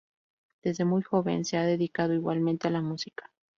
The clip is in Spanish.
Desde muy joven se ha dedicado igualmente a la música.